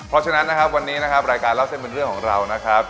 เพราะฉะนั้นนะครับวันนี้นะครับรายการเล่าเส้นเป็นเรื่องของเรานะครับ